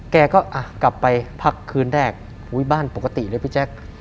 แกก็กลับไปพักคืนแรกบ้านปกติเลยพี่แจ๊ค